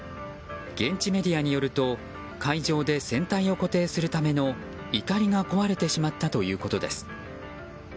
現地メディアによると海上で船体を固定するためのいかりが壊れてしまったということです。